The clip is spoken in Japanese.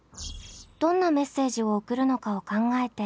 どんなメッセージを送るのかを考えて下書きをします。